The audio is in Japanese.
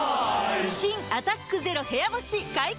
新「アタックＺＥＲＯ部屋干し」解禁‼